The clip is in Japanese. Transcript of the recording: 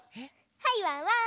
はいワンワン。